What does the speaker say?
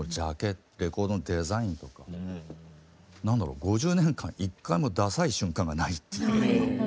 レコードのデザインとか何だろう５０年間一回もダサい瞬間がないっていう。